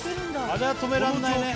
あれは止めらんないね